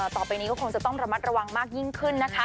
ต่อไปก็คงจะต้องระมัดระวังยิ่งขึ้น